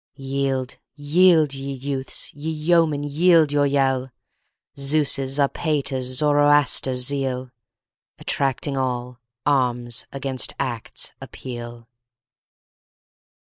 Yield, yield, ye youths! ye yeomen, yield your yell! Zeus', Zarpater's, Zoroaster's zeal, Attracting all, arms against acts appeal!